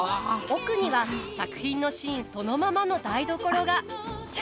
奥には作品のシーンそのままの台所が。